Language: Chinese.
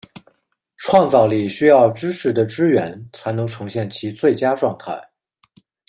创造力需要知识的支援才能呈现其最佳状态。